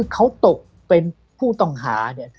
เค้าตกเป็นผู้ต่องหา